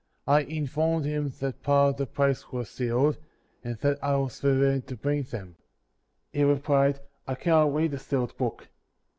I informed him that part of the plates were sealed, and that I was forbidden to bring thejn. He replied, "I can not read a sealed book.''